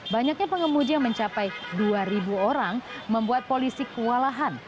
banyaknya pengemudi yang mencapai dua orang membuat polisi kewalahan